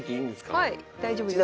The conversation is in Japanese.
はい大丈夫です。